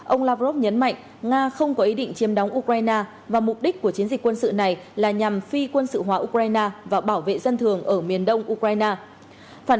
ông lavrov nhấn mạnh nga không có ý định chiếm đóng ukraine và mục đích của chiến dịch quân sự này là nhằm phi quân sự hóa ukraine và bảo vệ dân thường ở miền đông ukraine